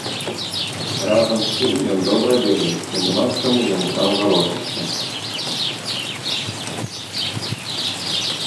Разам з тым ён добра ведаў, што няма к чаму яму там варочацца.